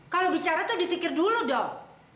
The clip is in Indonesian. kalau bicara tuh difikir dulu dong